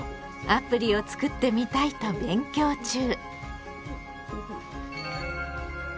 アプリをつくってみたいと勉強中。